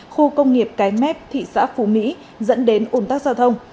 khu công nghiệp cái mép thị xã phú mỹ dẫn đến ủn tắc giao thông